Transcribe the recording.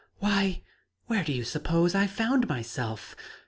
"Why where do you suppose I found myself?